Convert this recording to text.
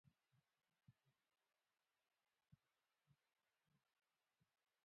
د کلیزو منظره د افغانستان د ټولنې لپاره بنسټيز رول لري.